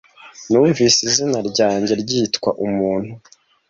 Numvise izina ryanjye ryitwa umuntu.